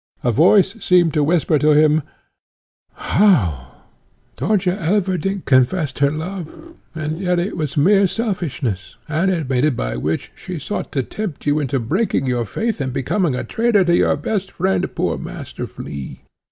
A voice seemed to whisper to him, "How! Dörtje Elverdink confessed her love, and yet it was mere selfishness, animated by which, she sought to tempt you into breaking your faith and becoming a traitor to your best friend, poor Master Flea!